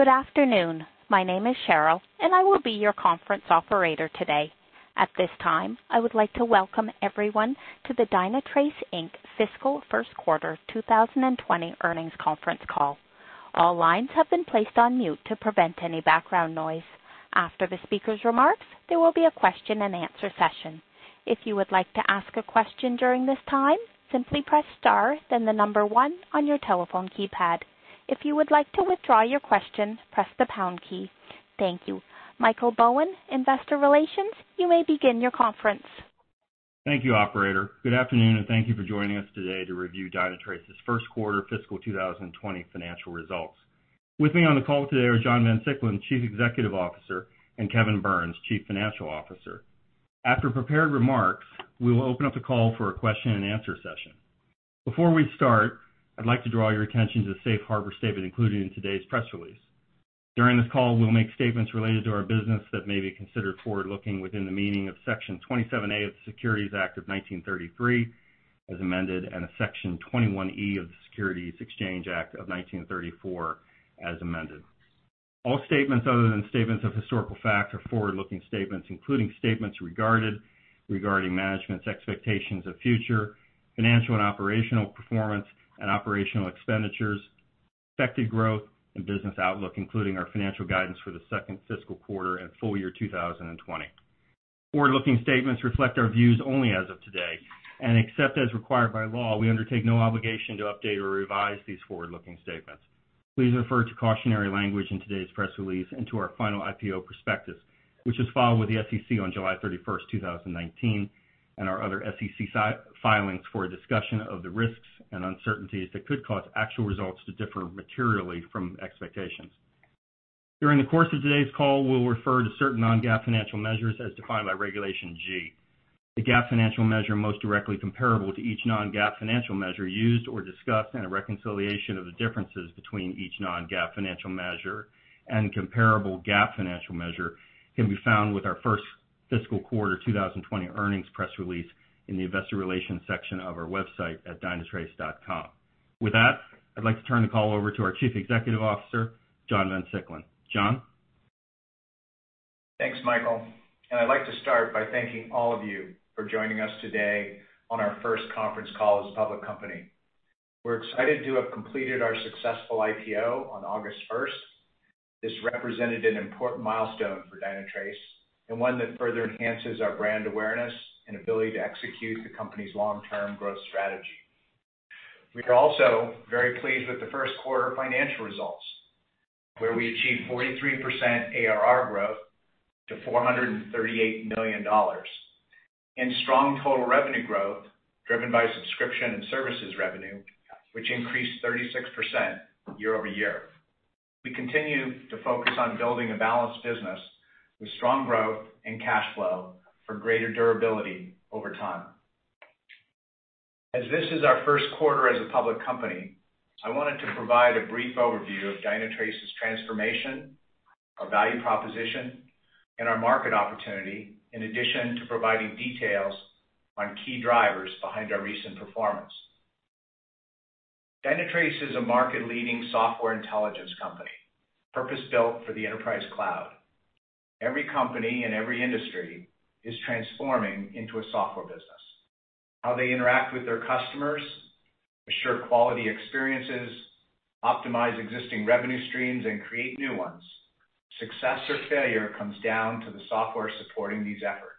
Good afternoon. My name is Cheryl, and I will be your conference operator today. At this time, I would like to welcome everyone to the Dynatrace, Inc. Fiscal First Quarter 2020 earnings conference call. All lines have been placed on mute to prevent any background noise. After the speaker's remarks, there will be a question and answer session. If you would like to ask a question during this time, simply press star then 1 on your telephone keypad. If you would like to withdraw your question, press the pound key. Thank you. Michael Bowen, investor relations, you may begin your conference. Thank you, operator. Good afternoon, and thank you for joining us today to review Dynatrace's first quarter fiscal 2020 financial results. With me on the call today are John Van Siclen, Chief Executive Officer, and Kevin Burns, Chief Financial Officer. After prepared remarks, we will open up the call for a question and answer session. Before we start, I'd like to draw your attention to the safe harbor statement included in today's press release. During this call, we'll make statements related to our business that may be considered forward-looking within the meaning of Section 27A of the Securities Act of 1933 as amended and a Section 21E of the Securities Exchange Act of 1934 as amended. All statements other than statements of historical fact are forward-looking statements, including statements regarding management's expectations of future financial and operational performance and operational expenditures, expected growth and business outlook, including our financial guidance for the second fiscal quarter and full year 2020. Forward-looking statements reflect our views only as of today. Except as required by law, we undertake no obligation to update or revise these forward-looking statements. Please refer to cautionary language in today's press release and to our final IPO prospectus, which is filed with the SEC on July 31st, 2019, and our other SEC filings for a discussion of the risks and uncertainties that could cause actual results to differ materially from expectations. During the course of today's call, we'll refer to certain non-GAAP financial measures as defined by Regulation G. The GAAP financial measure most directly comparable to each non-GAAP financial measure used or discussed, and a reconciliation of the differences between each non-GAAP financial measure and comparable GAAP financial measure, can be found with our first fiscal quarter 2020 earnings press release in the investor relations section of our website at dynatrace.com. With that, I'd like to turn the call over to our Chief Executive Officer, John Van Siclen. John? Thanks, Michael. I'd like to start by thanking all of you for joining us today on our first conference call as a public company. We're excited to have completed our successful IPO on August first. This represented an important milestone for Dynatrace, and one that further enhances our brand awareness and ability to execute the company's long-term growth strategy. We are also very pleased with the first quarter financial results, where we achieved 43% ARR growth to $438 million, and strong total revenue growth driven by subscription and services revenue, which increased 36% year-over-year. We continue to focus on building a balanced business with strong growth and cash flow for greater durability over time. As this is our first quarter as a public company, I wanted to provide a brief overview of Dynatrace's transformation, our value proposition, and our market opportunity, in addition to providing details on key drivers behind our recent performance. Dynatrace is a market-leading Software Intelligence company, purpose-built for the enterprise cloud. Every company in every industry is transforming into a software business. How they interact with their customers, assure quality experiences, optimize existing revenue streams, and create new ones, success or failure comes down to the software supporting these efforts.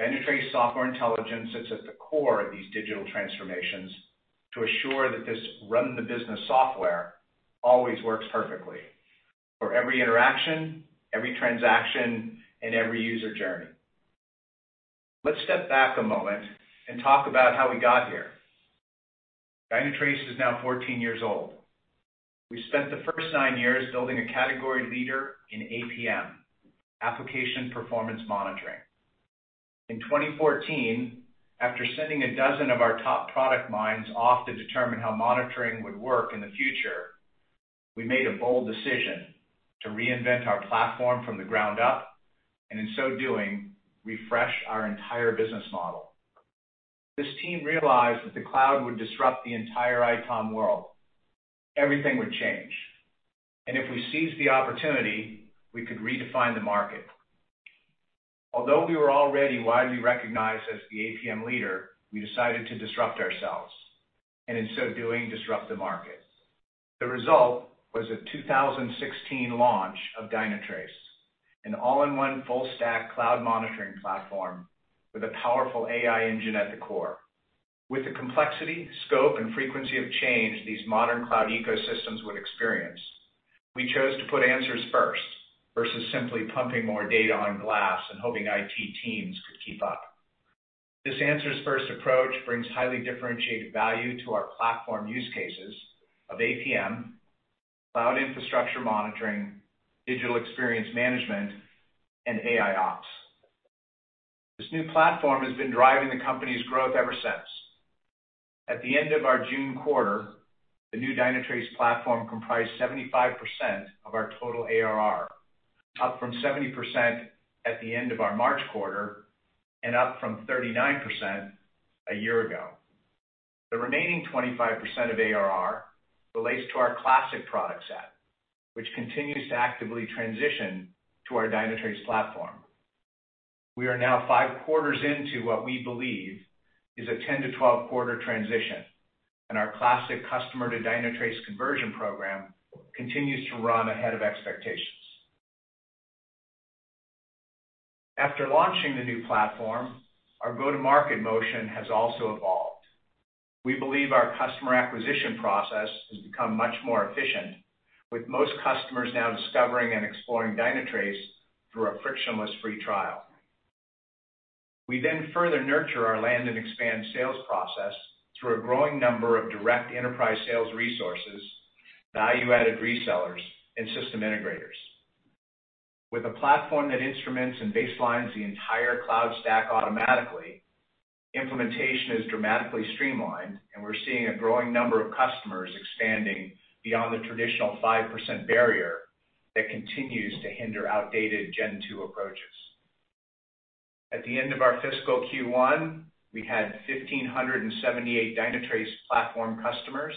Dynatrace Software Intelligence sits at the core of these digital transformations to assure that this run-the-business software always works perfectly for every interaction, every transaction, and every user journey. Let's step back a moment and talk about how we got here. Dynatrace is now 14 years old. We spent the first nine years building a category leader in APM, Application Performance Monitoring. In 2014, after sending 12 of our top product minds off to determine how monitoring would work in the future, we made a bold decision to reinvent our platform from the ground up. In so doing, refresh our entire business model. This team realized that the cloud would disrupt the entire ITOM world. Everything would change. If we seized the opportunity, we could redefine the market. Although we were already widely recognized as the APM leader, we decided to disrupt ourselves. In so doing, disrupt the market. The result was a 2016 launch of Dynatrace, an all-in-one full stack cloud monitoring platform with a powerful AI engine at the core. With the complexity, scope, and frequency of change these modern cloud ecosystems would experience, we chose to put answers first versus simply pumping more data on glass and hoping IT teams could keep up. This answers first approach brings highly differentiated value to our platform use cases of APM, cloud infrastructure monitoring, Digital Experience Management, and AIOps. This new platform has been driving the company's growth ever since. At the end of our June quarter, the new Dynatrace platform comprised 75% of our total ARR, up from 70% at the end of our March quarter and up from 39% a year ago. The remaining 25% of ARR relates to our classic product set, which continues to actively transition to our Dynatrace platform. We are now five quarters into what we believe is a 10 to 12-quarter transition, and our classic customer-to-Dynatrace conversion program continues to run ahead of expectations. After launching the new platform, our go-to-market motion has also evolved. We believe our customer acquisition process has become much more efficient, with most customers now discovering and exploring Dynatrace through a frictionless free trial. We further nurture our land and expand sales process through a growing number of direct enterprise sales resources, value-added resellers, and system integrators. With a platform that instruments and baselines the entire cloud stack automatically, implementation is dramatically streamlined, and we're seeing a growing number of customers expanding beyond the traditional 5% barrier that continues to hinder outdated Gen 2 approaches. At the end of our fiscal Q1, we had 1,578 Dynatrace platform customers,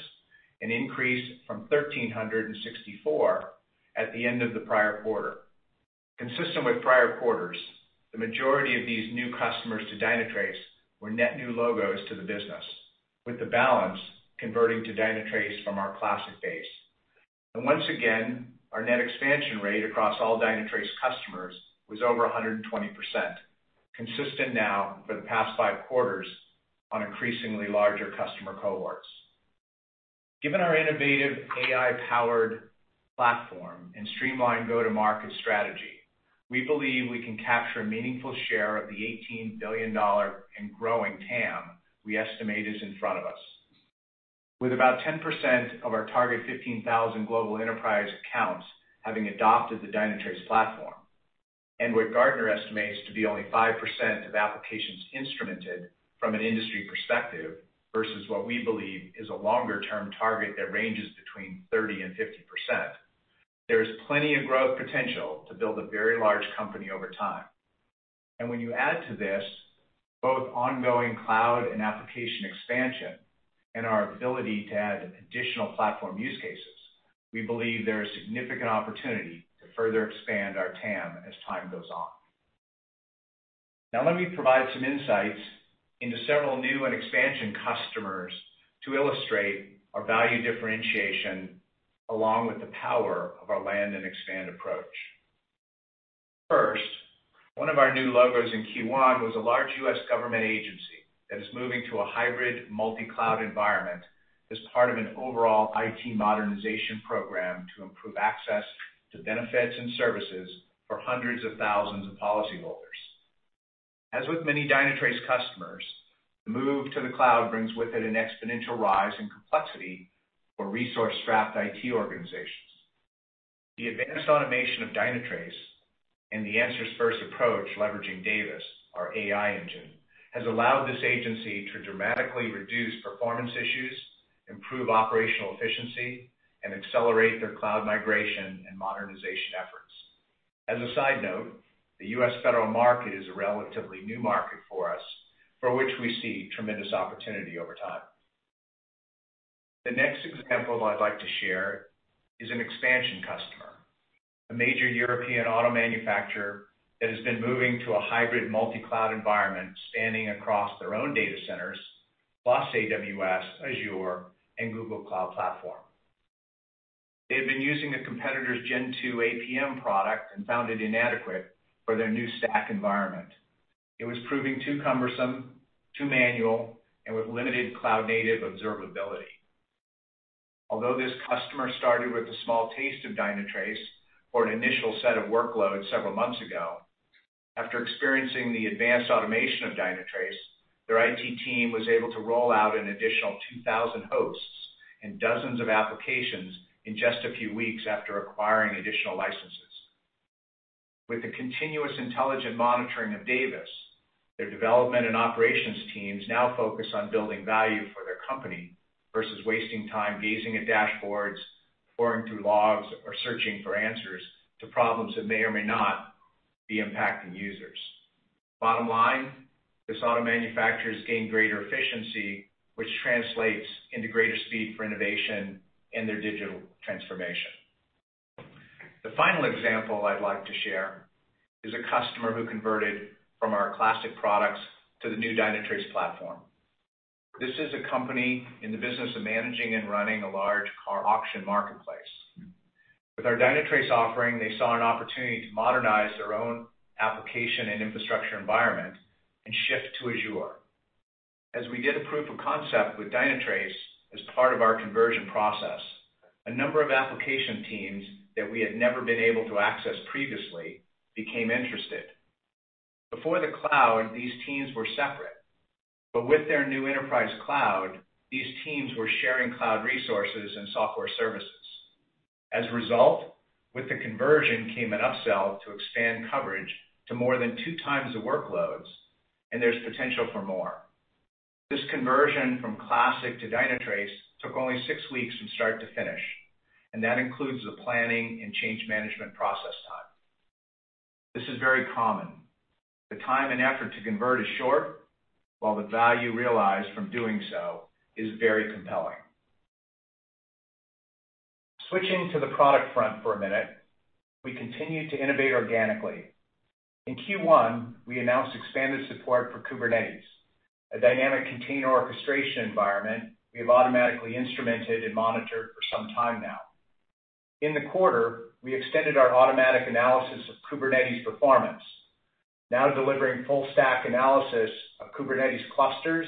an increase from 1,364 at the end of the prior quarter. Consistent with prior quarters, the majority of these new customers to Dynatrace were net new logos to the business, with the balance converting to Dynatrace from our classic base. Once again, our net expansion rate across all Dynatrace customers was over 120%, consistent now for the past five quarters on increasingly larger customer cohorts. Given our innovative AI-powered platform and streamlined go-to-market strategy, we believe we can capture a meaningful share of the $18 billion and growing TAM we estimate is in front of us. With about 10% of our target 15,000 global enterprise accounts having adopted the Dynatrace platform, and with Gartner estimates to be only 5% of applications instrumented from an industry perspective versus what we believe is a longer-term target that ranges between 30% and 50%, there is plenty of growth potential to build a very large company over time. When you add to this both ongoing cloud and application expansion and our ability to add additional platform use cases, we believe there is significant opportunity to further expand our TAM as time goes on. Now, let me provide some insights into several new and expansion customers to illustrate our value differentiation, along with the power of our land and expand approach. First, one of our new logos in Q1 was a large U.S. government agency that is moving to a hybrid multi-cloud environment as part of an overall IT modernization program to improve access to benefits and services for hundreds of thousands of policyholders. As with many Dynatrace customers, the move to the cloud brings with it an exponential rise in complexity for resource-strapped IT organizations. The advanced automation of Dynatrace and the answers-first approach leveraging Davis, our AI engine, has allowed this agency to dramatically reduce performance issues, improve operational efficiency, and accelerate their cloud migration and modernization efforts. As a side note, the U.S. federal market is a relatively new market for us, for which we see tremendous opportunity over time. The next example that I'd like to share is an expansion customer, a major European auto manufacturer that has been moving to a hybrid multi-cloud environment spanning across their own data centers, plus AWS, Azure, and Google Cloud Platform. They had been using a competitor's Gen 2 APM product and found it inadequate for their new stack environment. It was proving too cumbersome, too manual, and with limited cloud-native observability. Although this customer started with a small taste of Dynatrace for an initial set of workloads several months ago, after experiencing the advanced automation of Dynatrace, their IT team was able to roll out an additional 2,000 hosts and dozens of applications in just a few weeks after acquiring additional licenses. With the continuous intelligent monitoring of Davis, their development and operations teams now focus on building value for their company versus wasting time gazing at dashboards, pouring through logs, or searching for answers to problems that may or may not be impacting users. Bottom line, this auto manufacturer's gained greater efficiency, which translates into greater speed for innovation in their digital transformation. The final example I'd like to share is a customer who converted from our classic products to the new Dynatrace platform. This is a company in the business of managing and running a large car auction marketplace. With our Dynatrace offering, they saw an opportunity to modernize their own application and infrastructure environment and shift to Azure. As we did a proof of concept with Dynatrace as part of our conversion process, a number of application teams that we had never been able to access previously became interested. Before the cloud, these teams were separate. With their new enterprise cloud, these teams were sharing cloud resources and software services. As a result, with the conversion came an upsell to expand coverage to more than two times the workloads, and there's potential for more. This conversion from classic to Dynatrace took only six weeks from start to finish, and that includes the planning and change management process time. This is very common. The time and effort to convert is short, while the value realized from doing so is very compelling. Switching to the product front for a minute, we continue to innovate organically. In Q1, we announced expanded support for Kubernetes, a dynamic container orchestration environment we have automatically instrumented and monitored for some time now. In the quarter, we extended our automatic analysis of Kubernetes performance, now delivering full stack analysis of Kubernetes clusters,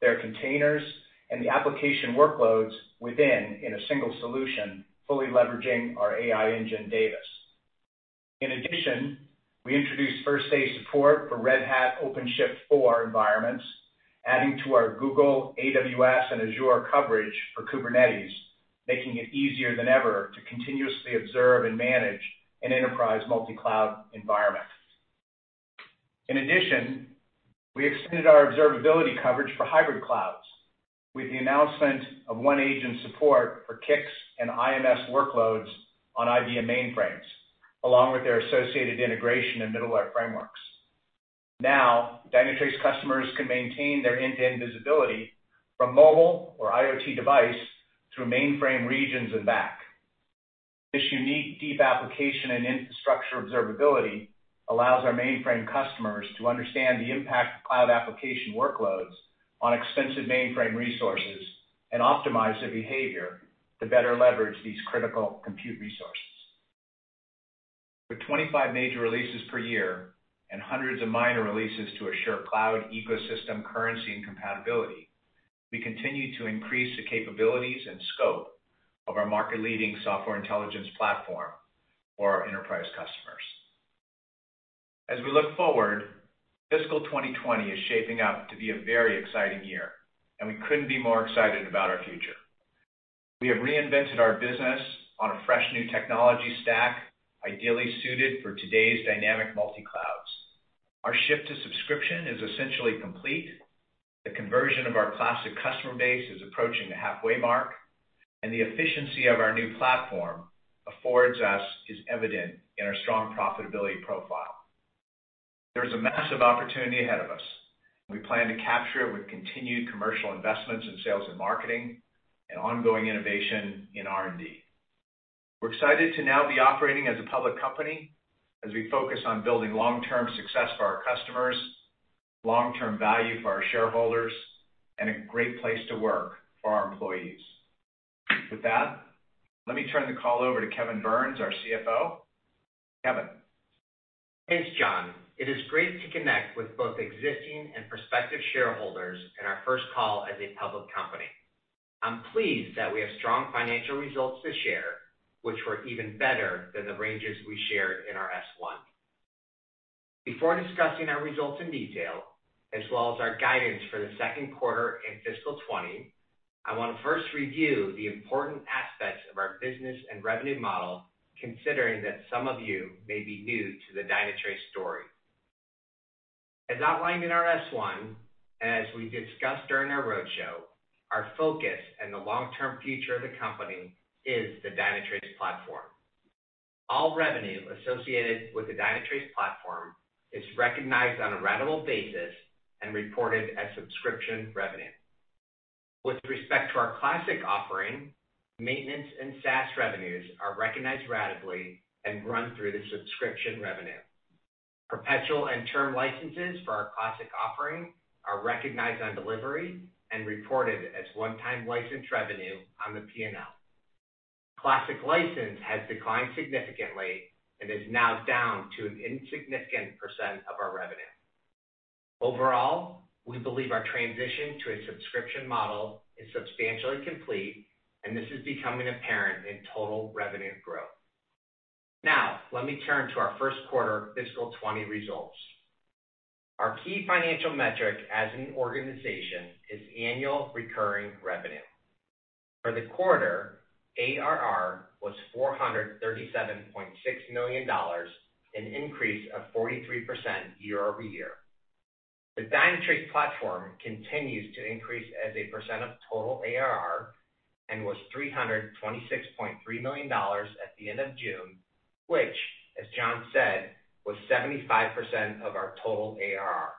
their containers, and the application workloads within in a single solution, fully leveraging our AI engine, Davis. In addition, we introduced first-day support for Red Hat OpenShift 4 environments, adding to our Google, AWS, and Azure coverage for Kubernetes, making it easier than ever to continuously observe and manage an enterprise multi-cloud environment. In addition, we extended our observability coverage for hybrid clouds with the announcement of OneAgent support for CICS and IMS workloads on IBM mainframes, along with their associated integration and middleware frameworks. Now, Dynatrace customers can maintain their end-to-end visibility from mobile or IoT device through mainframe regions and back. This unique deep application and infrastructure observability allows our mainframe customers to understand the impact of cloud application workloads on expensive mainframe resources and optimize their behavior to better leverage these critical compute resources. With 25 major releases per year and hundreds of minor releases to assure cloud ecosystem currency and compatibility, we continue to increase the capabilities and scope of our market-leading software intelligence platform for our enterprise customers. As we look forward, fiscal 2020 is shaping up to be a very exciting year, and we couldn't be more excited about our future. We have reinvented our business on a fresh new technology stack, ideally suited for today's dynamic multi-clouds. Our shift to subscription is essentially complete. The conversion of our classic customer base is approaching the halfway mark, and the efficiency our new platform affords us is evident in our strong profitability profile. There is a massive opportunity ahead of us, and we plan to capture it with continued commercial investments in sales and marketing and ongoing innovation in R&D. We're excited to now be operating as a public company as we focus on building long-term success for our customers, long-term value for our shareholders, and a great place to work for our employees. With that, let me turn the call over to Kevin Burns, our CFO. Kevin? Thanks, John. It is great to connect with both existing and prospective shareholders in our first call as a public company. I'm pleased that we have strong financial results to share, which were even better than the ranges we shared in our S1. Before discussing our results in detail, as well as our guidance for the second quarter in fiscal 2020, I want to first review the important aspects of our business and revenue model, considering that some of you may be new to the Dynatrace story. As outlined in our S1, as we discussed during our roadshow, our focus and the long-term future of the company is the Dynatrace platform. All revenue associated with the Dynatrace platform is recognized on a ratable basis and reported as subscription revenue. With respect to our classic offering, maintenance and SaaS revenues are recognized ratably and run through the subscription revenue. Perpetual and term licenses for our classic offering are recognized on delivery and reported as one-time license revenue on the P&L. Classic license has declined significantly and is now down to an insignificant % of our revenue. We believe our transition to a subscription model is substantially complete, and this is becoming apparent in total revenue growth. Let me turn to our first quarter fiscal 2020 results. Our key financial metric as an organization is annual recurring revenue. For the quarter, ARR was $437.6 million, an increase of 43% year-over-year. The Dynatrace platform continues to increase as a % of total ARR and was $326.3 million at the end of June, which, as John said, was 75% of our total ARR.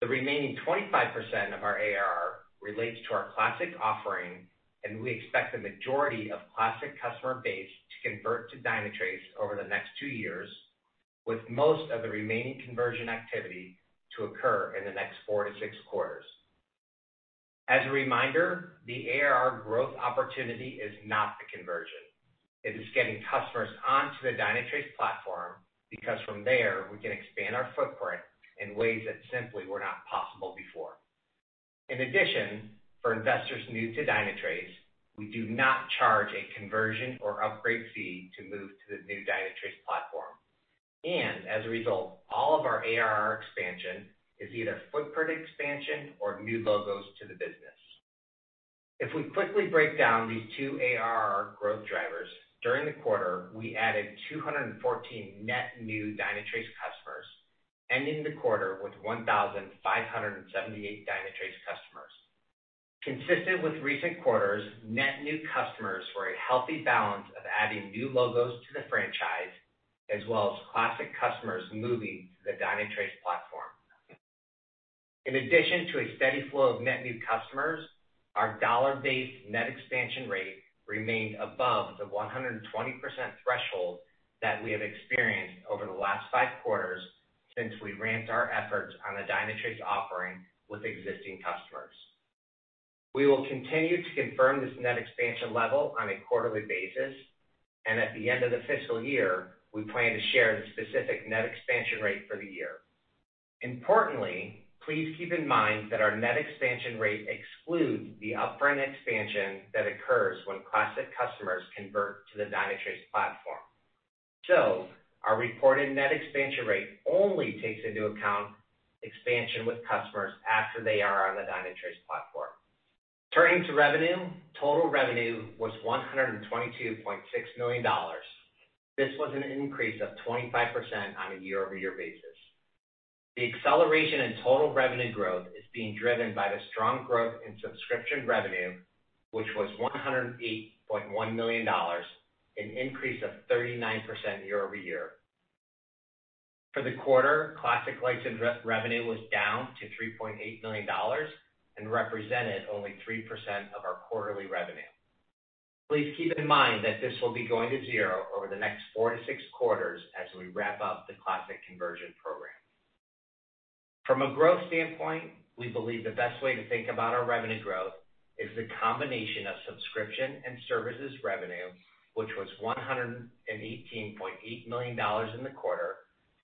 The remaining 25% of our ARR relates to our classic offering. We expect the majority of classic customer base to convert to Dynatrace over the next two years, with most of the remaining conversion activity to occur in the next four to six quarters. As a reminder, the ARR growth opportunity is not the conversion. It is getting customers onto the Dynatrace platform, because from there, we can expand our footprint in ways that simply were not possible before. In addition, for investors new to Dynatrace, we do not charge a conversion or upgrade fee to move to the new Dynatrace platform. As a result, all of our ARR expansion is either footprint expansion or new logos to the business. If we quickly break down these two ARR growth drivers, during the quarter, we added 214 net new Dynatrace customers, ending the quarter with 1,578 Dynatrace customers. Consistent with recent quarters, net new customers were a healthy balance of adding new logos to the franchise, as well as classic customers moving to the Dynatrace platform. In addition to a steady flow of net new customers, our dollar-based net expansion rate remained above the 120% threshold that we have experienced over the last five quarters since we ramped our efforts on the Dynatrace offering with existing customers. We will continue to confirm this net expansion level on a quarterly basis, and at the end of the fiscal year, we plan to share the specific net expansion rate for the year. Importantly, please keep in mind that our net expansion rate excludes the upfront expansion that occurs when classic customers convert to the Dynatrace platform. Our reported net expansion rate only takes into account expansion with customers after they are on the Dynatrace platform. Turning to revenue, total revenue was $122.6 million. This was an increase of 25% on a year-over-year basis. The acceleration in total revenue growth is being driven by the strong growth in subscription revenue, which was $108.1 million, an increase of 39% year-over-year. For the quarter, classic license revenue was down to $3.8 million and represented only 3% of our quarterly revenue. Please keep in mind that this will be going to zero over the next four to six quarters as we wrap up the classic conversion program. From a growth standpoint, we believe the best way to think about our revenue growth is the combination of subscription and services revenue, which was $118.8 million in the quarter,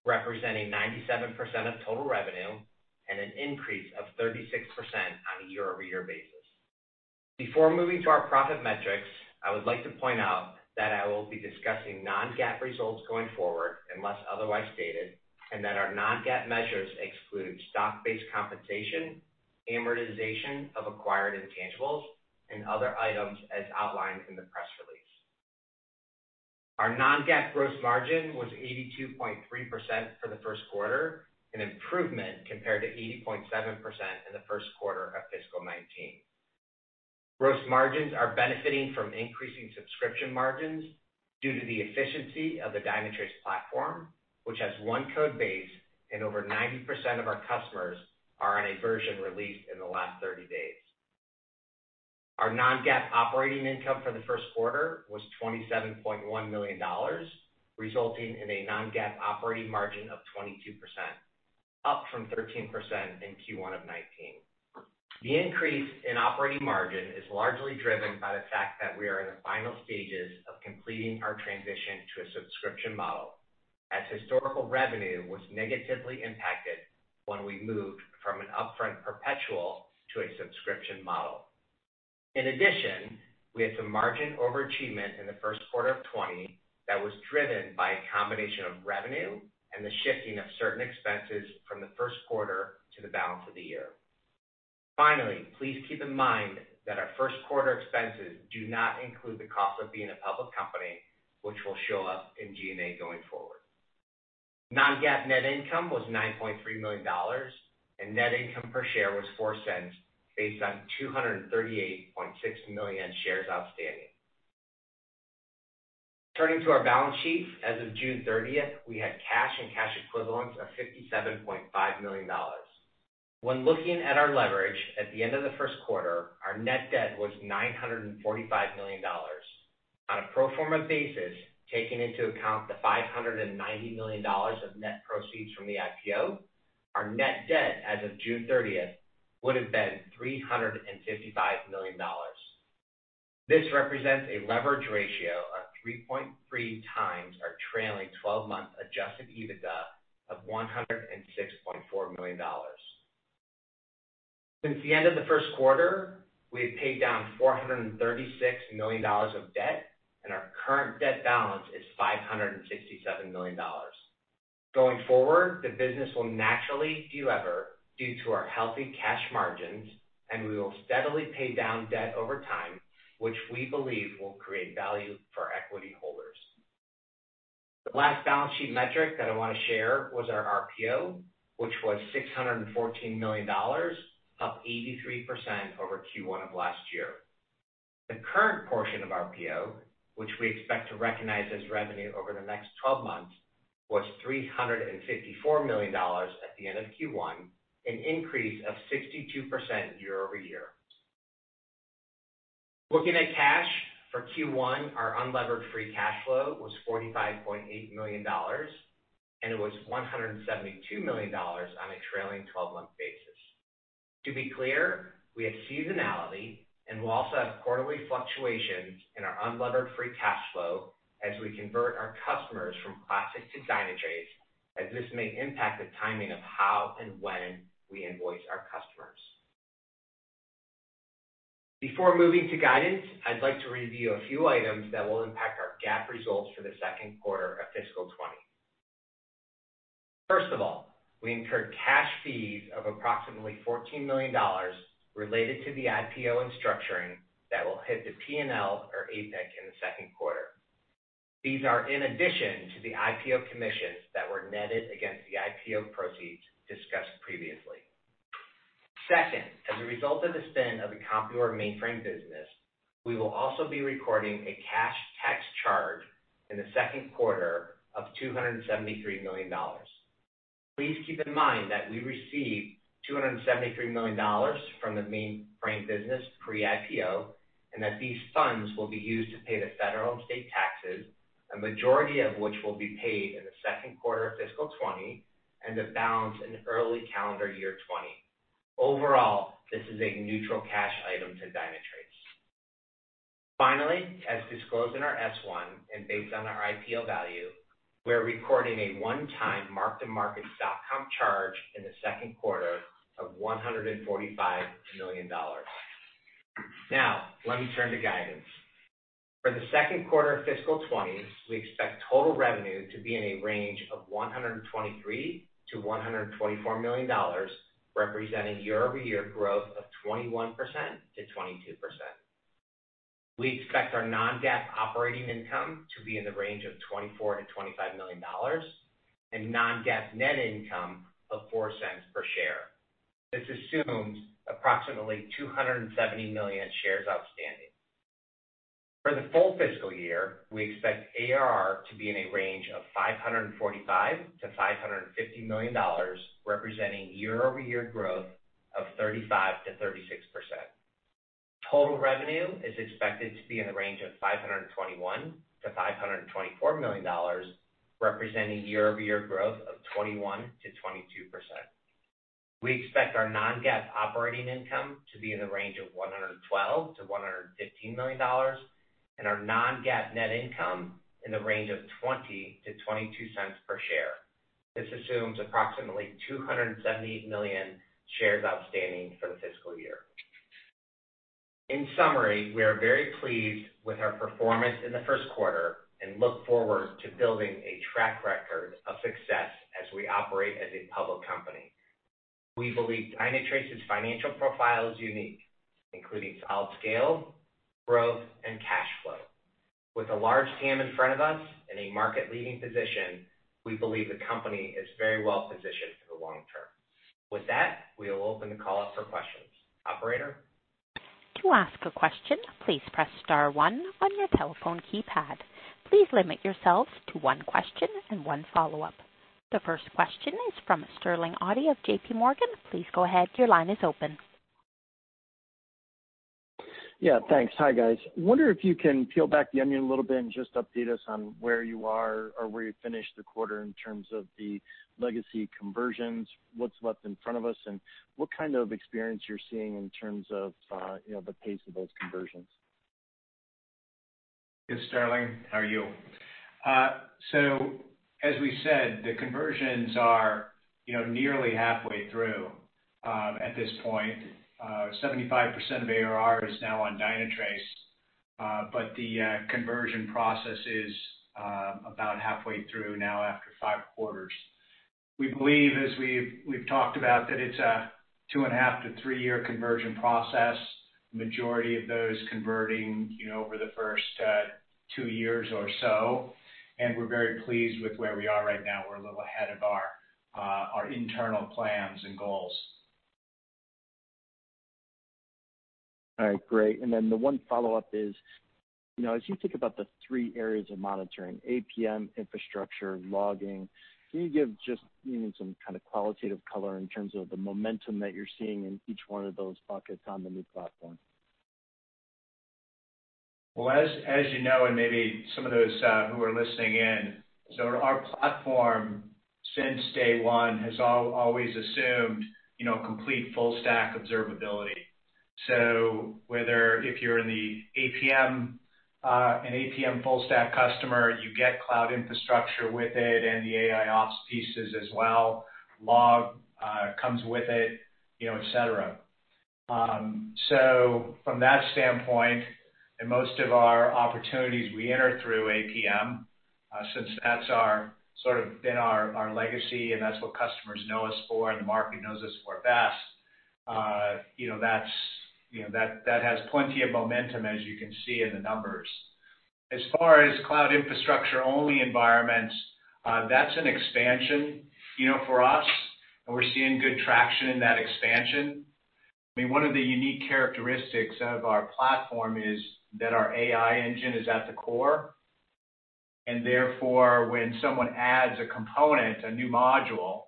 representing 97% of total revenue and an increase of 36% on a year-over-year basis. Before moving to our profit metrics, I would like to point out that I will be discussing non-GAAP results going forward, unless otherwise stated, and that our non-GAAP measures exclude stock-based compensation, amortization of acquired intangibles, and other items as outlined in the press release. Our non-GAAP gross margin was 82.3% for the first quarter, an improvement compared to 80.7% in the first quarter of fiscal 2019. Gross margins are benefiting from increasing subscription margins due to the efficiency of the Dynatrace platform, which has one code base and over 90% of our customers are on a version released in the last 30 days. Our non-GAAP operating income for the first quarter was $27.1 million, resulting in a non-GAAP operating margin of 22%, up from 13% in Q1 of 2019. The increase in operating margin is largely driven by the fact that we are in the final stages of completing our transition to a subscription model, as historical revenue was negatively impacted when we moved from an upfront perpetual to a subscription model. We had some margin overachievement in the first quarter of 2020 that was driven by a combination of revenue and the shifting of certain expenses from the first quarter to the balance of the year. Please keep in mind that our first quarter expenses do not include the cost of being a public company, which will show up in G&A going forward. Non-GAAP net income was $9.3 million and net income per share was $0.04 based on 238.6 million shares outstanding. Turning to our balance sheet, as of June 30th, we had cash and cash equivalents of $57.5 million. When looking at our leverage at the end of the first quarter, our net debt was $945 million. On a pro forma basis, taking into account the $590 million of net proceeds from the IPO, our net debt as of June 30th would have been $355 million. This represents a leverage ratio of 3.3 times our trailing 12-month adjusted EBITDA of $106.4 million. Since the end of the first quarter, we have paid down $436 million of debt, and our current debt balance is $567 million. Going forward, the business will naturally de-lever due to our healthy cash margins, and we will steadily pay down debt over time, which we believe will create value for our equity holders. The last balance sheet metric that I want to share was our RPO, which was $614 million, up 83% over Q1 of last year. The current portion of RPO, which we expect to recognize as revenue over the next 12 months, was $354 million at the end of Q1, an increase of 62% year-over-year. Looking at cash for Q1, our unlevered free cash flow was $45.8 million, and it was $172 million on a trailing 12-month basis. To be clear, we have seasonality, and we'll also have quarterly fluctuations in our unlevered free cash flow as we convert our customers from classic to Dynatrace, as this may impact the timing of how and when we invoice our customers. Before moving to guidance, I'd like to review a few items that will impact our GAAP results for the second quarter of fiscal 2020. First of all, we incurred cash fees of approximately $14 million related to the IPO and structuring that will hit the P&L or APIC in the second quarter. These are in addition to the IPO commissions that were netted against the IPO proceeds discussed previously. Second, as a result of the spin of the Compuware mainframe business, we will also be recording a cash tax charge in the second quarter of $273 million. Please keep in mind that we received $273 million from the mainframe business pre-IPO, and that these funds will be used to pay the federal and state taxes, a majority of which will be paid in the second quarter of fiscal 2020, and the balance in early calendar year 2020. Overall, this is a neutral cash item to Dynatrace. Finally, as disclosed in our S1 and based on our IPO value, we're recording a one-time mark-to-market stock comp charge in the second quarter of $145 million. Let me turn to guidance. For the second quarter of fiscal 2020, we expect total revenue to be in a range of $123 million-$124 million, representing year-over-year growth of 21%-22%. We expect our non-GAAP operating income to be in the range of $24 million-$25 million, and non-GAAP net income of $0.04 per share. This assumes approximately 270 million shares outstanding. For the full fiscal year, we expect ARR to be in a range of $545 million-$550 million, representing year-over-year growth of 35%-36%. Total revenue is expected to be in the range of $521 million-$524 million, representing year-over-year growth of 21%-22%. We expect our non-GAAP operating income to be in the range of $112 million-$115 million, and our non-GAAP net income in the range of $0.20-$0.22 per share. This assumes approximately 270 million shares outstanding for the fiscal year. In summary, we are very pleased with our performance in the first quarter and look forward to building a track record of success as we operate as a public company. We believe Dynatrace's financial profile is unique, including solid scale, growth, and cash flow. With a large TAM in front of us and a market-leading position, we believe the company is very well positioned for the long term. With that, we will open the call up for questions. Operator? To ask a question, please press star one on your telephone keypad. Please limit yourself to one question and one follow-up. The first question is from Sterling Auty of JP Morgan. Please go ahead, your line is open. Yeah, thanks. Hi, guys. Wonder if you can peel back the onion a little bit and just update us on where you are or where you finished the quarter in terms of the legacy conversions, what's left in front of us, and what kind of experience you're seeing in terms of the pace of those conversions? Yes, Sterling. How are you? As we said, the conversions are nearly halfway through at this point. 75% of ARR is now on Dynatrace, the conversion process is about halfway through now after five quarters. We believe, as we've talked about, that it's a two and a half to three-year conversion process, majority of those converting over the first two years or so. We're very pleased with where we are right now. We're a little ahead of our internal plans and goals. All right, great. The one follow-up is, as you think about the three areas of monitoring, APM, infrastructure, logging, can you give just some kind of qualitative color in terms of the momentum that you're seeing in each one of those buckets on the new platform? As you know, maybe some of those who are listening in, our platform since day one has always assumed complete full-stack observability. Whether if you're in the APM, an APM full-stack customer, you get cloud infrastructure with it and the AIOps pieces as well. Log comes with it, et cetera. From that standpoint, in most of our opportunities, we enter through APM since that's sort of been our legacy, and that's what customers know us for and the market knows us for best. That has plenty of momentum, as you can see in the numbers. As far as cloud infrastructure-only environments, that's an expansion, for us, and we're seeing good traction in that expansion. I mean, one of the unique characteristics of our platform is that our AI engine is at the core, and therefore, when someone adds a component, a new module,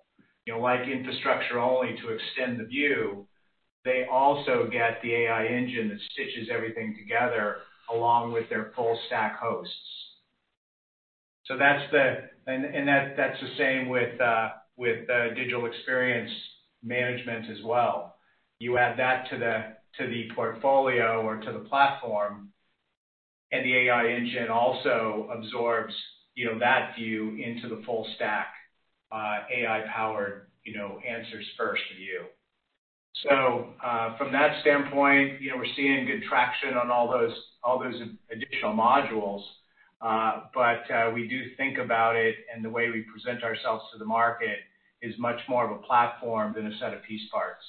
like infrastructure only to extend the view, they also get the AI engine that stitches everything together along with their full-stack hosts. That's the same with Digital Experience Management as well. You add that to the portfolio or to the platform, and the AI engine also absorbs that view into the full-stack AI-powered answers first view. From that standpoint, we're seeing good traction on all those additional modules. We do think about it, and the way we present ourselves to the market is much more of a platform than a set of piece parts.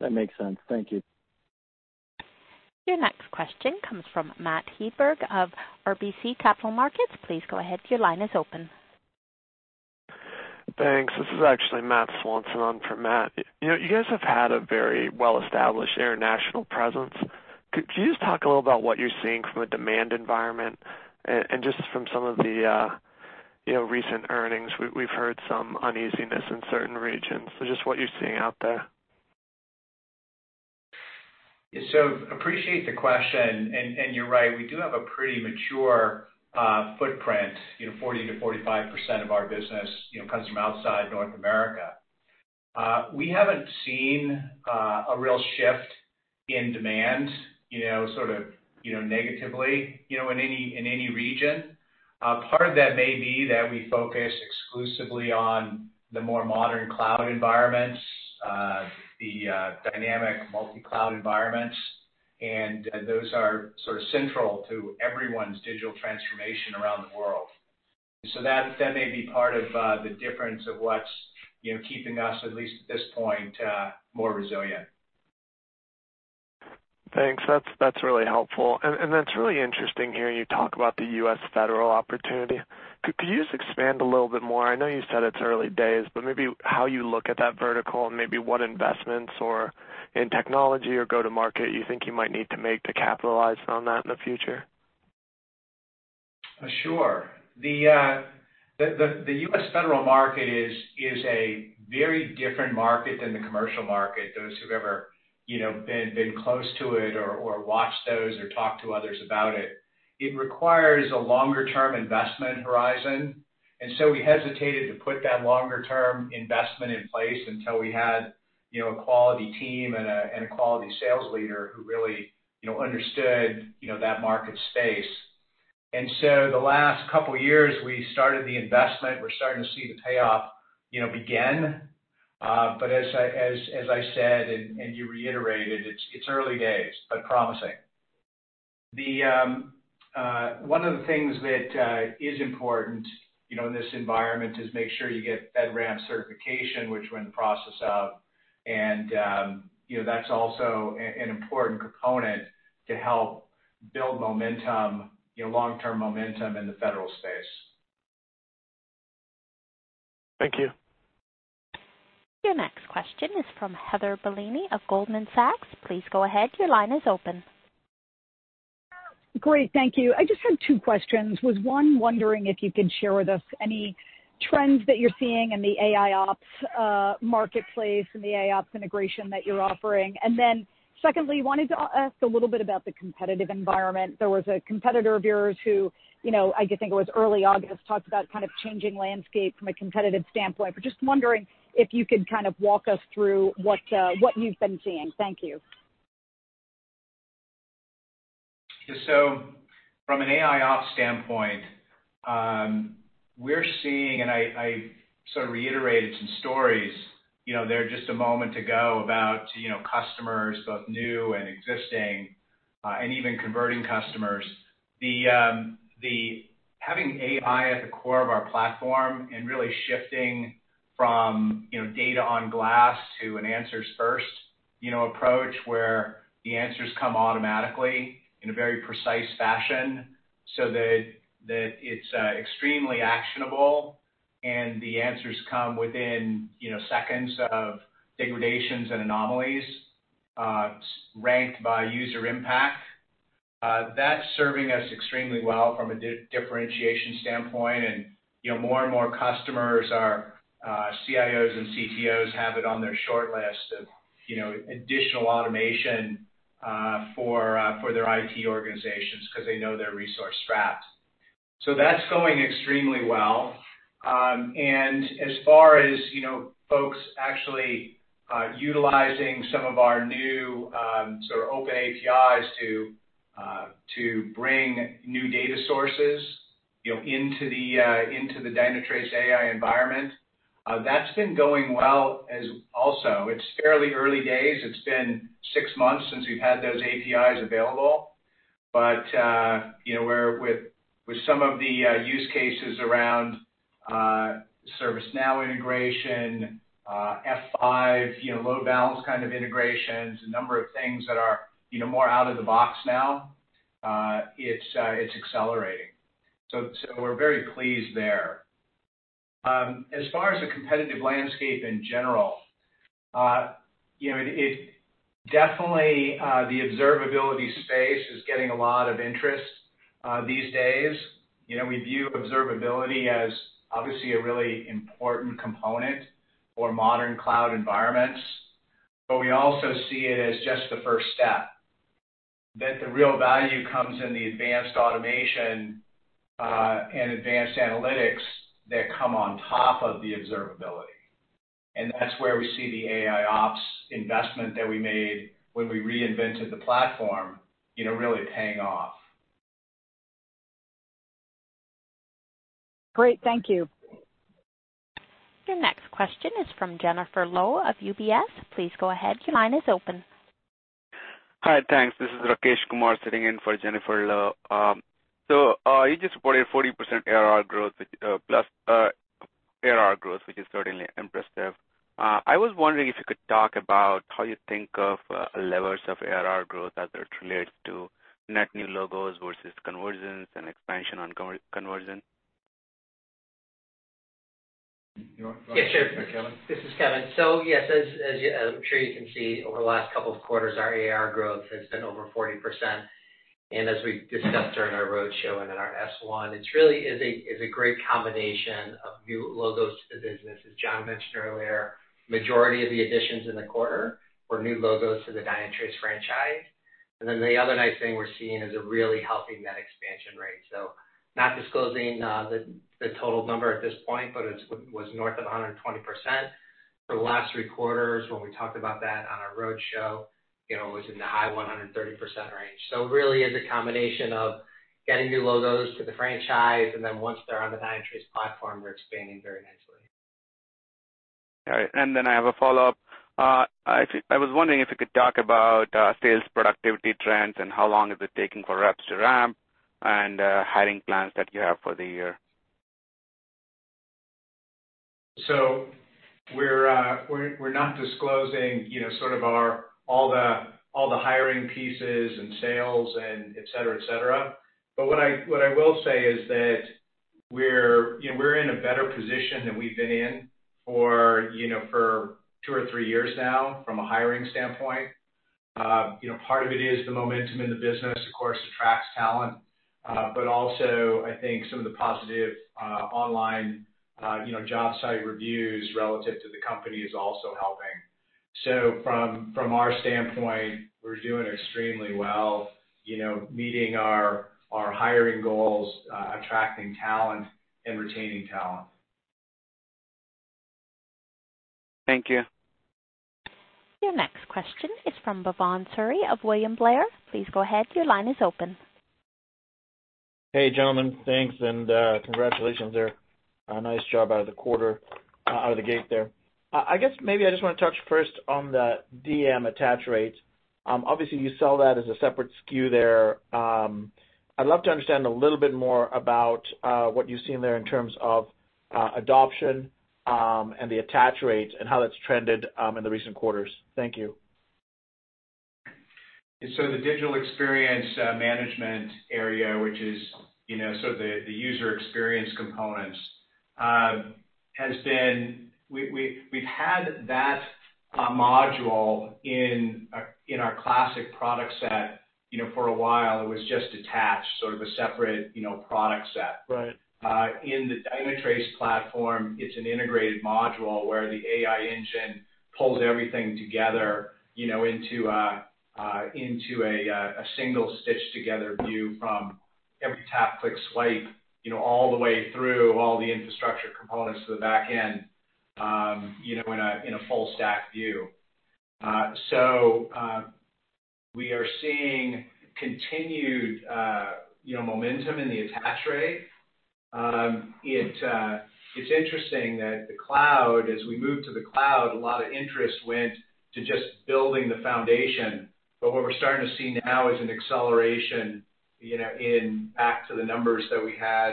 That makes sense. Thank you. Your next question comes from Matt Hedberg of RBC Capital Markets. Please go ahead, your line is open. Thanks. This is actually Matthew Swanson on for Matt. You guys have had a very well-established international presence. Could you just talk a little about what you're seeing from a demand environment and just from some of the recent earnings? We've heard some uneasiness in certain regions. Just what you're seeing out there? Appreciate the question, and you're right, we do have a pretty mature footprint. 40%-45% of our business comes from outside North America. We haven't seen a real shift in demand sort of negatively in any region. Part of that may be that we focus exclusively on the more modern cloud environments, the dynamic multi-cloud environments, and those are sort of central to everyone's digital transformation around the world. That may be part of the difference of what's keeping us, at least at this point, more resilient. Thanks. That's really helpful. It's really interesting hearing you talk about the U.S. federal opportunity. Could you just expand a little bit more? I know you said it's early days, but maybe how you look at that vertical and maybe what investments or in technology or go to market you think you might need to make to capitalize on that in the future? Sure. The U.S. federal market is a very different market than the commercial market. Those who've ever been close to it or watched those or talked to others about it, require a longer-term investment horizon. We hesitated to put that longer-term investment in place until we had a quality team and a quality sales leader who really understood that market space. The last couple of years we started the investment. We're starting to see the payoff begin. As I said, and you reiterated, it's early days, but promising. One of the things that is important in this environment is make sure you get FedRAMP certification, which we're in the process of, and that's also an important component to help build long-term momentum in the federal space. Thank you. Your next question is from Heather Bellini of Goldman Sachs. Please go ahead. Your line is open. Great. Thank you. I just had two questions. Was one wondering if you could share with us any trends that you're seeing in the AIOps marketplace and the AIOps integration that you're offering. Secondly, wanted to ask a little bit about the competitive environment. There was a competitor of yours who, I think it was early August, talked about kind of changing landscape from a competitive standpoint. Just wondering if you could kind of walk us through what you've been seeing. Thank you. From an AIOps standpoint, we're seeing, and I sort of reiterated some stories there just a moment ago about customers, both new and existing, and even converting customers. Having AI at the core of our platform and really shifting from data on glass to an answers first approach, where the answers come automatically in a very precise fashion so that it's extremely actionable, and the answers come within seconds of degradations and anomalies, ranked by user impact. That's serving us extremely well from a differentiation standpoint. More and more customers, our CIOs and CTOs have it on their shortlist of additional automation for their IT organizations because they know they're resource-strapped. That's going extremely well. As far as folks actually utilizing some of our new sort of open APIs to bring new data sources into the Dynatrace AI environment, that's been going well also. It's fairly early days. It's been six months since we've had those APIs available. With some of the use cases around ServiceNow integration, F5 load balance kind of integrations, a number of things that are more out of the box now, it's accelerating. We're very pleased there. As far as the competitive landscape in general, definitely the observability space is getting a lot of interest these days. We view observability as obviously a really important component for modern cloud environments, but we also see it as just the first step, that the real value comes in the advanced automation and advanced analytics that come on top of the observability. That's where we see the AIOps investment that we made when we reinvented the platform really paying off. Great. Thank you. Your next question is from Jennifer Lowe of UBS. Please go ahead. Your line is open. Hi, thanks. This is Rakesh Kumar sitting in for Jennifer Lowe. You just reported 40% ARR growth, which is certainly impressive. I was wondering if you could talk about how you think of levers of ARR growth as it relates to net new logos versus conversions and expansion on conversion. You want, Kevin? Yeah, sure. This is Kevin. Yes, as I'm sure you can see, over the last couple of quarters, our ARR growth has been over 40%. As we've discussed during our roadshow and in our S1, it really is a great combination of new logos to the business. As John mentioned earlier, the majority of the additions in the quarter were new logos to the Dynatrace franchise. The other nice thing we're seeing is a really healthy net expansion rate. Not disclosing the total number at this point, but it was north of 120%. For the last three quarters when we talked about that on our roadshow, it was in the high 130% range. It really is a combination of getting new logos to the franchise, and then once they're on the Dynatrace platform, we're expanding very nicely. All right. I have a follow-up. I was wondering if you could talk about sales productivity trends and how long is it taking for reps to ramp and hiring plans that you have for the year? We're not disclosing all the hiring pieces and sales and et cetera. What I will say is that we're in a better position than we've been in for two or three years now from a hiring standpoint. Part of it is the momentum in the business, of course, attracts talent. Also, I think some of the positive online job site reviews relative to the company is also helping. From our standpoint, we're doing extremely well, meeting our hiring goals, attracting talent, and retaining talent. Thank you. Your next question is from Bhavan Suri of William Blair. Please go ahead. Your line is open. Hey, gentlemen. Thanks, and congratulations there. A nice job out of the gate there. I guess maybe I just want to touch first on the DEM attach rate. Obviously, you sell that as a separate SKU there. I'd love to understand a little bit more about what you've seen there in terms of adoption and the attach rate and how that's trended in the recent quarters. Thank you. The Digital Experience Management area, which is sort of the user experience components, we've had that module in our classic product set for a while. It was just attached, sort of a separate product set. Right. In the Dynatrace platform, it's an integrated module where the AI engine pulls everything together into a single stitched-together view from every tap, click, swipe, all the way through all the infrastructure components to the back end, in a full stack view. We are seeing continued momentum in the attach rate. It's interesting that the cloud, as we moved to the cloud, a lot of interest went to just building the foundation. What we're starting to see now is an acceleration back to the numbers that we had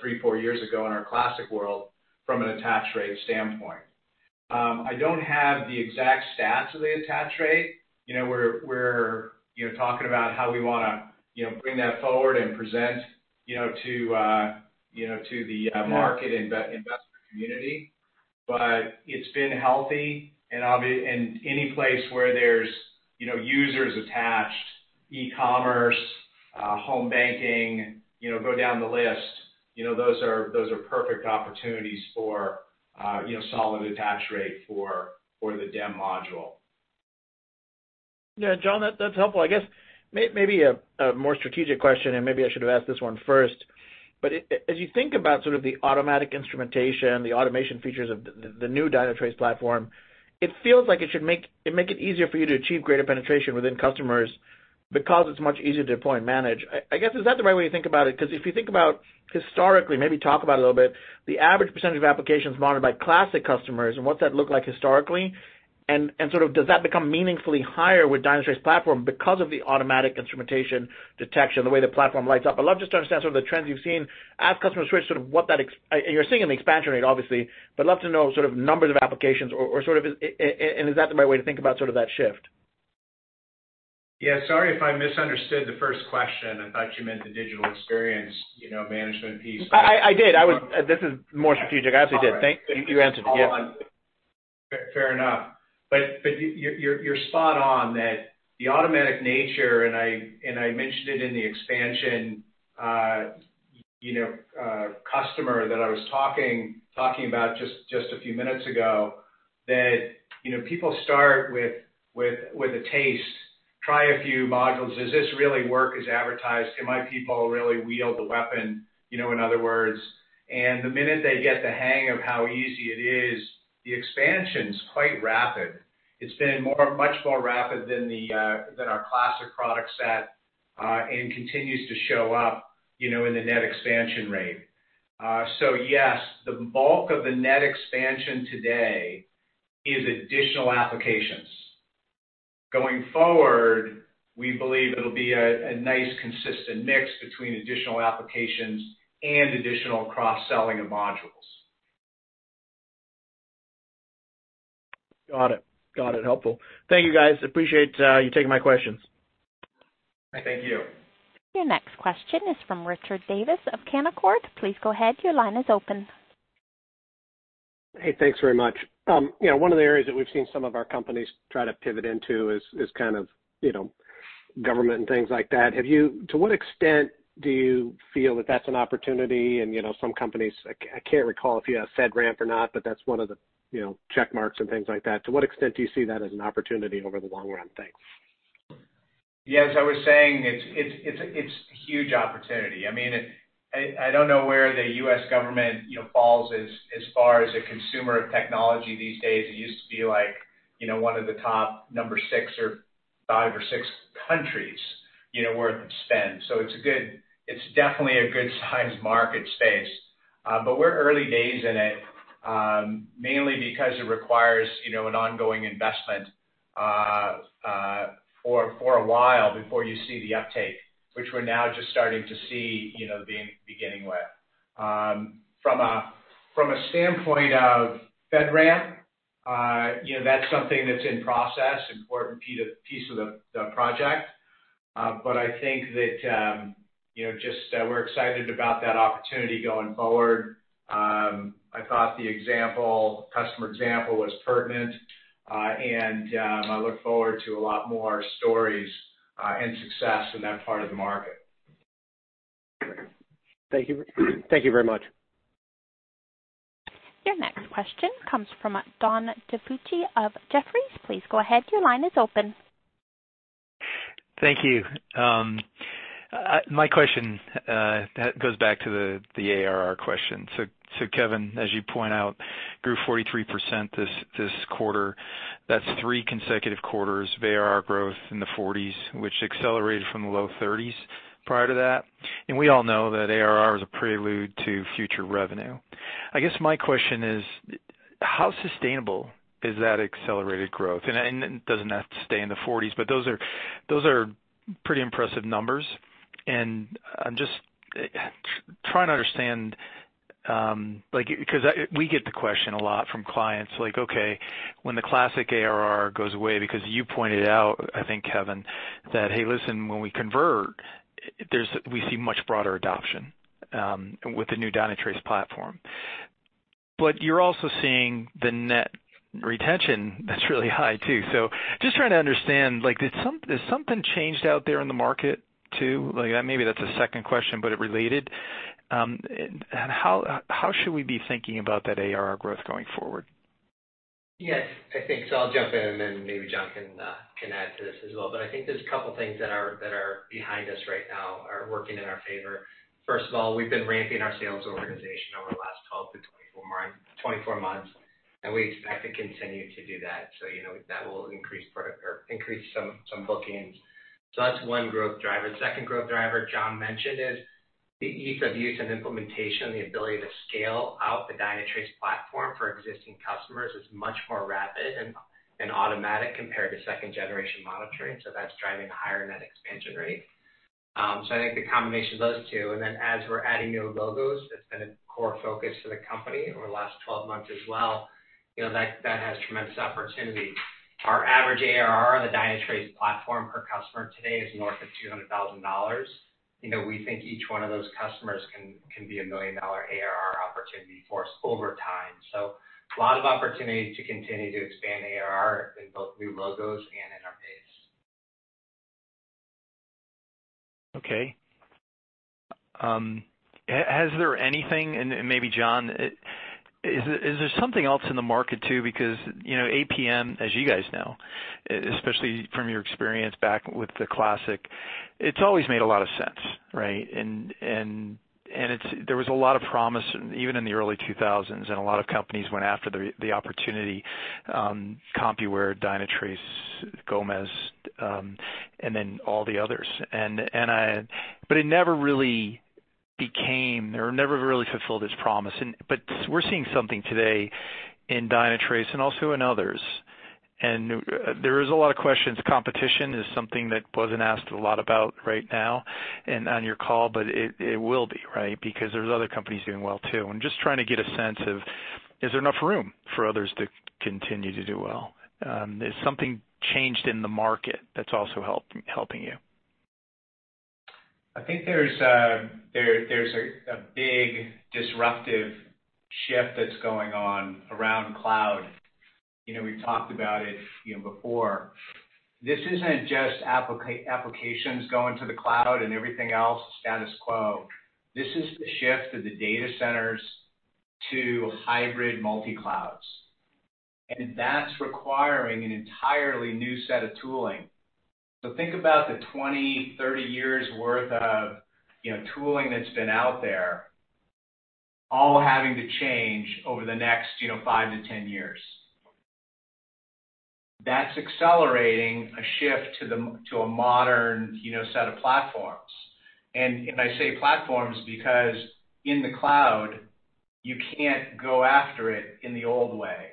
three, four years ago in our classic world from an attach rate standpoint. I don't have the exact stats of the attach rate. We're talking about how we want to bring that forward and present to the market. Yeah investor community. It's been healthy, and any place where there's users attached, e-commerce, home banking, go down the list, those are perfect opportunities for solid attach rate for the DEM module. Yeah, John, that's helpful. I guess maybe a more strategic question, maybe I should have asked this one first, as you think about sort of the automatic instrumentation, the automation features of the new Dynatrace platform, it feels like it should make it easier for you to achieve greater penetration within customers because it's much easier to deploy and manage. I guess, is that the right way to think about it? If you think about historically, maybe talk about it a little bit, the average percentage of applications monitored by classic customers, what's that look like historically, sort of does that become meaningfully higher with Dynatrace platform because of the automatic instrumentation detection, the way the platform lights up? I'd love just to understand sort of the trends you've seen as customers switch, You're seeing an expansion rate, obviously, but love to know sort of numbers of applications or is that the right way to think about sort of that shift? Yeah, sorry if I misunderstood the first question. I thought you meant the Digital Experience Management piece. I did. This is more strategic. I absolutely did. Thank you. You answered, yeah. Fair enough. You're spot on that the automatic nature, and I mentioned it in the expansion, customer that I was talking about just a few minutes ago, that people start with a taste, try a few modules. Does this really work as advertised? Can my people really wield the weapon? In other words. The minute they get the hang of how easy it is, the expansion's quite rapid. It's been much more rapid than our classic product set, and continues to show up in the net expansion rate. Yes, the bulk of the net expansion today is additional applications. Going forward, we believe it'll be a nice consistent mix between additional applications and additional cross-selling of modules. Got it. Helpful. Thank you, guys. Appreciate you taking my questions. Thank you. Your next question is from Richard Davis of Canaccord Genuity. Please go ahead. Your line is open. Hey, thanks very much. One of the areas that we've seen some of our companies try to pivot into is government and things like that. To what extent do you feel that that's an opportunity and some companies, I can't recall if you have FedRAMP or not, but that's one of the check marks and things like that. To what extent do you see that as an opportunity over the long run? Thanks. Yeah, as I was saying, it's huge opportunity. I do not know where the U.S. government falls as far as a consumer of technology these days. It used to be one of the top number six or five or six countries where it could spend. It's definitely a good-sized market space. We're early days in it, mainly because it requires an ongoing investment for a while before you see the uptake, which we're now just starting to see, the beginning with. From a standpoint of FedRAMP, that's something that's in process, important piece of the project. I think that just we're excited about that opportunity going forward. I thought the customer example was pertinent. I look forward to a lot more stories and success in that part of the market. Thank you very much. Your next question comes from Don DePucci of Jefferies. Please go ahead. Your line is open. Thank you. My question goes back to the ARR question. Kevin, as you point out, grew 43% this quarter. That's three consecutive quarters of ARR growth in the 40s, which accelerated from the low 30s prior to that. We all know that ARR is a prelude to future revenue. I guess my question is how sustainable is that accelerated growth? It doesn't have to stay in the 40s, but those are pretty impressive numbers, and I'm just trying to understand, because we get the question a lot from clients, like, okay, when the classic ARR goes away, because you pointed out, I think, Kevin, that, hey, listen, when we convert we see much broader adoption with the new Dynatrace platform. You're also seeing the net retention that's really high, too. Just trying to understand, has something changed out there in the market too? Maybe that's a second question, but it related. How should we be thinking about that ARR growth going forward? Yes, I think so. I'll jump in and maybe John can add to this as well. I think there's a couple things that are behind us right now are working in our favor. First of all, we've been ramping our sales organization over the last 12 to 24 months. We expect to continue to do that. That will increase some bookings. That's one growth driver. Second growth driver John mentioned is the ease of use and implementation, the ability to scale out the Dynatrace platform for existing customers is much more rapid and automatic compared to second generation monitoring. That's driving a higher net expansion rate. I think the combination of those two, as we're adding new logos, that's been a core focus for the company over the last 12 months as well. That has tremendous opportunity. Our average ARR on the Dynatrace platform per customer today is north of $200,000. We think each one of those customers can be a million-dollar ARR opportunity for us over time. A lot of opportunity to continue to expand ARR in both new logos and in our base. Okay. Has there anything, and maybe John, is there something else in the market too? APM, as you guys know, especially from your experience back with the classic, it's always made a lot of sense, right? There was a lot of promise even in the early 2000s, and a lot of companies went after the opportunity, Compuware, Dynatrace, Gomez, and then all the others. It never really became or never really fulfilled its promise. We're seeing something today in Dynatrace and also in others. There is a lot of questions. Competition is something that wasn't asked a lot about right now and on your call, but it will be, right? There's other companies doing well, too. I'm just trying to get a sense of, is there enough room for others to continue to do well? Has something changed in the market that's also helping you? I think there's a big disruptive shift that's going on around cloud. We've talked about it before. This isn't just applications going to the cloud and everything else status quo. This is the shift of the data centers to hybrid multi-clouds. That's requiring an entirely new set of tooling. Think about the 20, 30 years worth of tooling that's been out there all having to change over the next 5 to 10 years. That's accelerating a shift to a modern set of platforms. I say platforms because in the cloud, you can't go after it in the old way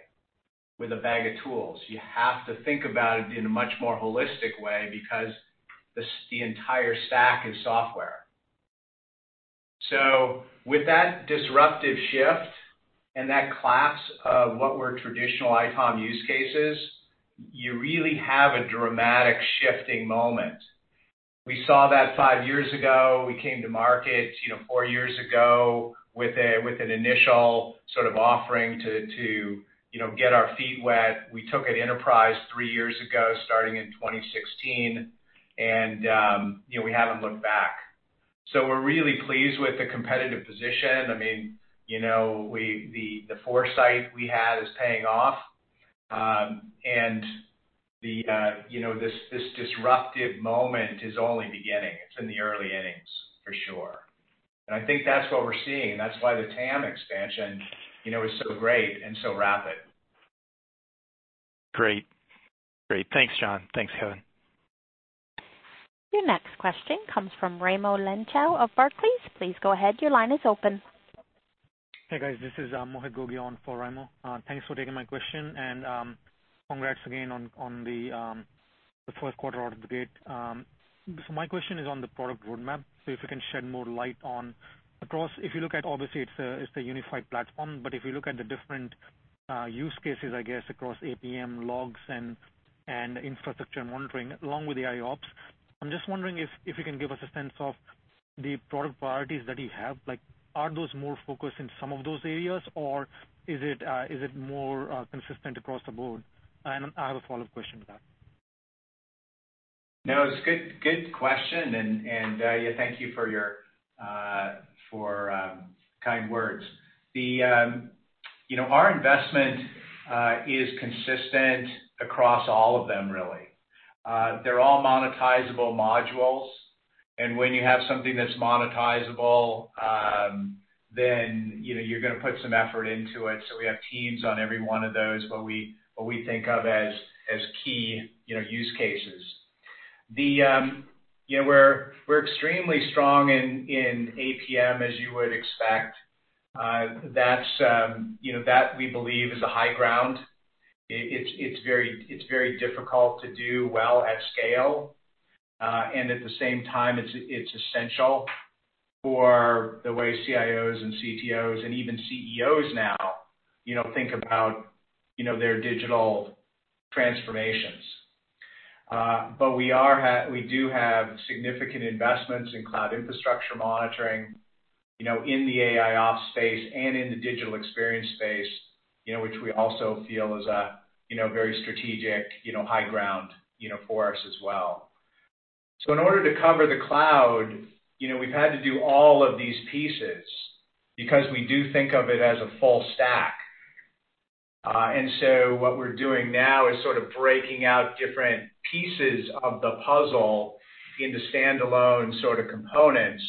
with a bag of tools. You have to think about it in a much more holistic way because the entire stack is software. With that disruptive shift and that collapse of what were traditional ITOM use cases, you really have a dramatic shifting moment. We saw that five years ago. We came to market four years ago with an initial sort of offering to get our feet wet. We took it enterprise three years ago, starting in 2016, and we haven't looked back. We're really pleased with the competitive position. I mean, the foresight we had is paying off. This disruptive moment is only beginning. It's in the early innings, for sure. I think that's what we're seeing, and that's why the TAM expansion is so great and so rapid. Great. Thanks, John. Thanks, Kevin. Your next question comes from Raimo Lenschow of Barclays. Please go ahead. Your line is open. Hey, guys, this is Mohit Gogia on for Raimo. Thanks for taking my question and congrats again on the first quarter out of the gate. My question is on the product roadmap. If you can shed more light across, if you look at, obviously it's a unified platform, but if you look at the different use cases, I guess, across APM logs and infrastructure and monitoring along with the AIOps, I'm just wondering if you can give us a sense of the product priorities that you have. Are those more focused in some of those areas, or is it more consistent across the board? I have a follow-up question to that. It's a good question, and thank you for your kind words. Our investment is consistent across all of them, really. They're all monetizable modules, and when you have something that's monetizable, then you're going to put some effort into it. We have teams on every one of those, what we think of as key use cases. We're extremely strong in APM, as you would expect. That, we believe, is the high ground. It's very difficult to do well at scale. At the same time, it's essential for the way CIOs and CTOs, and even CEOs now think about their digital transformations. We do have significant investments in cloud infrastructure monitoring in the AIOps space and in the digital experience space, which we also feel is a very strategic high ground for us as well. In order to cover the cloud, we've had to do all of these pieces because we do think of it as a full stack. What we're doing now is sort of breaking out different pieces of the puzzle into standalone sort of components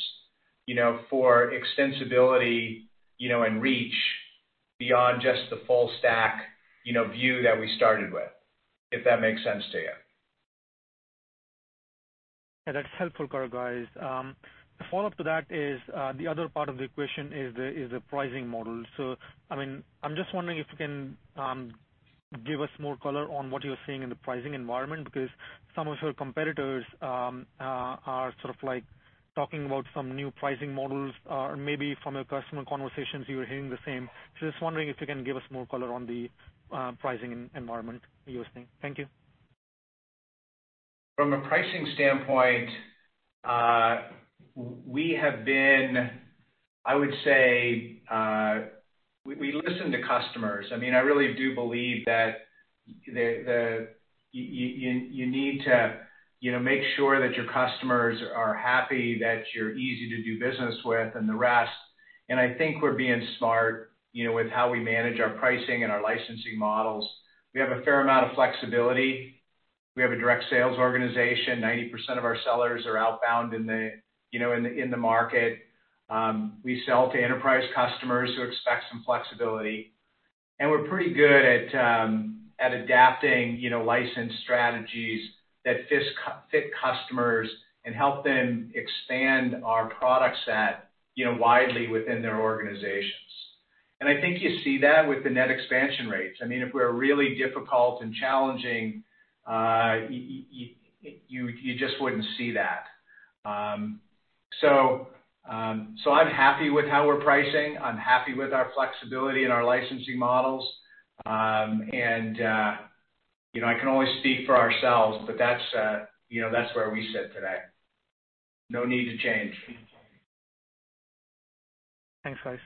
for extensibility and reach beyond just the full stack view that we started with, if that makes sense to you. Yeah, that's helpful, guys. The follow-up to that is, the other part of the question is the pricing model. I'm just wondering if you can give us more color on what you're seeing in the pricing environment, because some of your competitors are sort of talking about some new pricing models. Maybe from your customer conversations, you are hearing the same. Just wondering if you can give us more color on the pricing environment you are seeing. Thank you. From a pricing standpoint, I would say, we listen to customers. I really do believe that you need to make sure that your customers are happy, that you're easy to do business with, and the rest. I think we're being smart with how we manage our pricing and our licensing models. We have a fair amount of flexibility. We have a direct sales organization. 90% of our sellers are outbound in the market. We sell to enterprise customers who expect some flexibility. We're pretty good at adapting license strategies that fit customers and help them expand our product set widely within their organizations. I think you see that with the net expansion rates. If we're really difficult and challenging, you just wouldn't see that. I'm happy with how we're pricing. I'm happy with our flexibility and our licensing models. I can only speak for ourselves, but that's where we sit today. No need to change. Thanks, guys.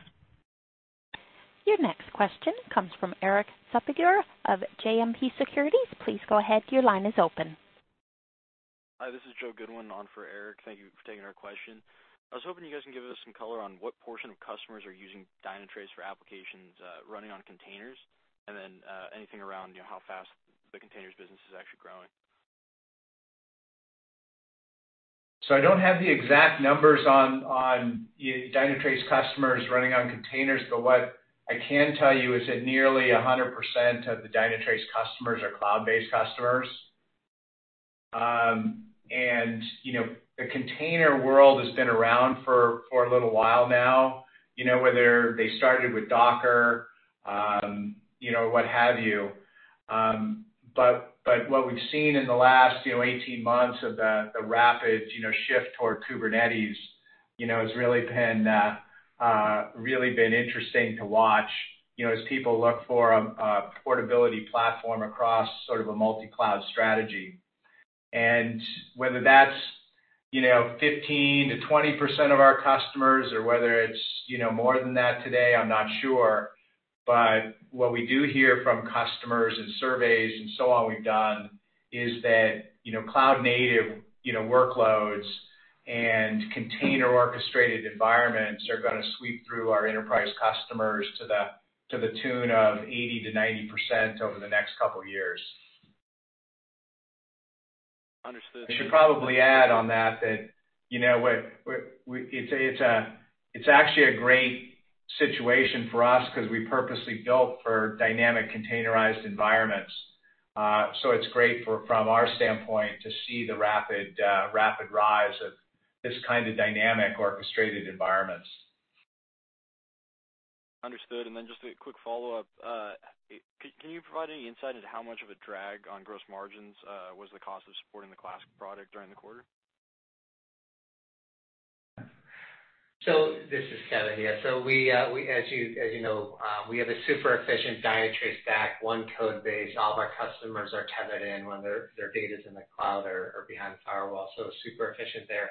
Your next question comes from Erik Suppiger of JMP Securities. Please go ahead. Your line is open. Hi, this is Joe Goodwin on for Erik. Thank you for taking our question. I was hoping you guys could give us some color on what portion of customers are using Dynatrace for applications running on containers, and then anything around how fast the containers business is actually? I don't have the exact numbers on Dynatrace customers running on containers, but what I can tell you is that nearly 100% of the Dynatrace customers are cloud-based customers. The container world has been around for a little while now, whether they started with Docker, what have you. What we've seen in the last 18 months of the rapid shift toward Kubernetes has really been interesting to watch, as people look for a portability platform across sort of a multi-cloud strategy. Whether that's 15%-20% of our customers or whether it's more than that today, I'm not sure. What we do hear from customers and surveys and so on we've done is that cloud-native workloads and container-orchestrated environments are going to sweep through our enterprise customers to the tune of 80%-90% over the next couple of years. Understood. I should probably add on that it's actually a great situation for us because we purposely built for dynamic containerized environments. It's great from our standpoint to see the rapid rise of this kind of dynamic orchestrated environments. Understood. Just a quick follow-up. Can you provide any insight into how much of a drag on gross margins was the cost of supporting the classic product during the quarter? This is Kevin here. As you know, we have a super efficient Dynatrace stack, one code base. All of our customers are tethered in when their data's in the cloud or behind a firewall, so super efficient there.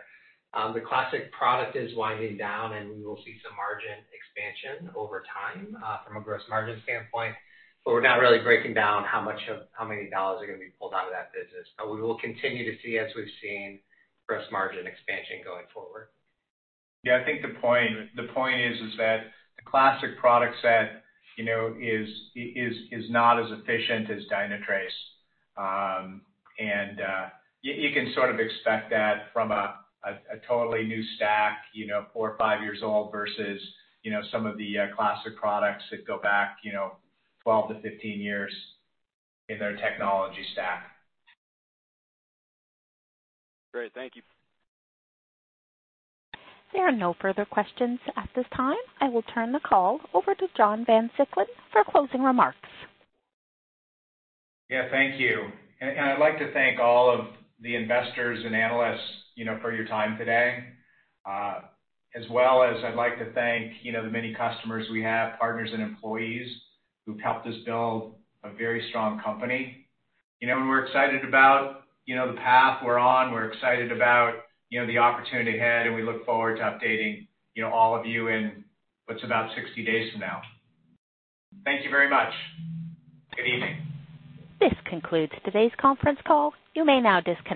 The classic product is winding down, and we will see some margin expansion over time from a gross margin standpoint, but we're not really breaking down how many dollars are going to be pulled out of that business. We will continue to see, as we've seen, gross margin expansion going forward. Yeah, I think the point is that the classic product set is not as efficient as Dynatrace. You can sort of expect that from a totally new stack, four or five years old versus some of the classic products that go back 12-15 years in their technology stack. Great. Thank you. There are no further questions at this time. I will turn the call over to John Van Siclen for closing remarks. Yeah. Thank you. I'd like to thank all of the investors and analysts for your time today, as well as I'd like to thank the many customers we have, partners and employees who've helped us build a very strong company. We're excited about the path we're on. We're excited about the opportunity ahead, and we look forward to updating all of you in what's about 60 days from now. Thank you very much. Good evening. This concludes today's conference call. You may now disconnect.